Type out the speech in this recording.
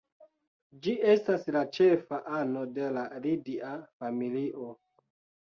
Ĝi estas la ĉefa ano de la Lidia familio.